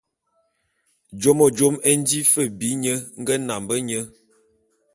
Jôme jôme é nji fe bi nye nge nambe nye.